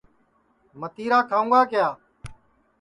متِرا کھاؤں گا کِیا